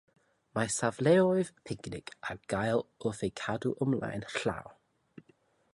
Mae safleoedd picnic ar gael wrth eu cadw ymlaen llaw.